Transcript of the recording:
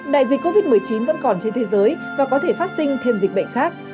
đại dịch covid một mươi chín vẫn còn trên thế giới và có thể phát sinh thêm dịch bệnh khác